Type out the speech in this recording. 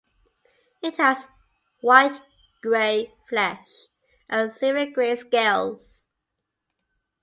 It has white-grey flesh and silver-grey scales.